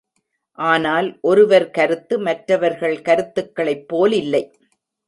ஆனால், ஒருவர் கருத்து மற்றவர்கள் கருத்துக்களைப் போலில்லை.